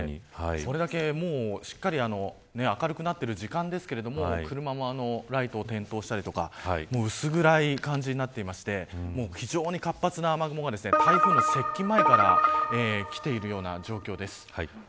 それだけしっかり明るくなっている時間ですけど車もライトを点灯したり薄暗い感じになっていて非常に活発な雨雲が台風の接近前からきているような状況です。